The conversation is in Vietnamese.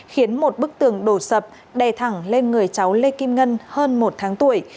khiến một bức tường đổ sập đè thẳng lên người cháu lê kim ngân hơn một tháng tuổi